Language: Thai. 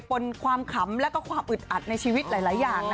ปนความขำแล้วก็ความอึดอัดในชีวิตหลายอย่าง